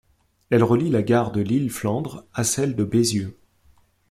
Elle relie la gare de Lille-Flandres à celle de Baisieux.